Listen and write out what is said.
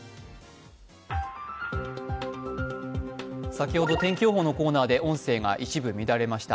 先ほど天気予報のコーナーで音声が一部乱れました。